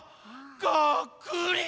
がっくり。